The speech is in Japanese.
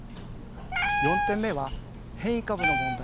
４点目は変異株の問題です。